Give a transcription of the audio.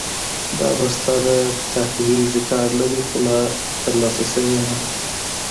دا بسته د تحویل ریکارډ لري، خو لا ترلاسه شوې نه ده.